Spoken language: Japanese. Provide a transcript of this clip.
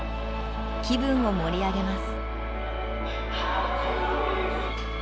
気分を盛り上げます。